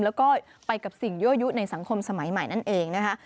แล้วก็ไปกับสิ่งยั่วยุในสังคมสมัยใหม่นั่นเองนะคะ